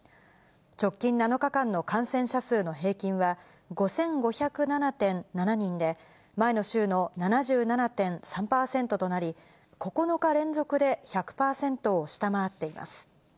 直近７日間の感染者数の平均は５５０７．７人で、前の週の７７．３％となり、９日連続で１００％を下回っています。